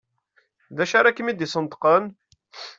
D acu ara kem-id-yesneṭqen?